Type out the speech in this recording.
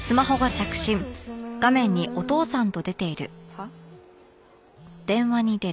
はっ？